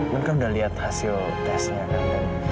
kan udah lihat hasil tesnya kan